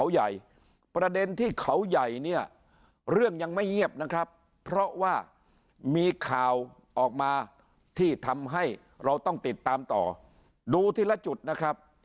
ว่ามีข่าวออกมาที่ทำให้เราต้องติดตามต่อดูทีละจุดนะครับ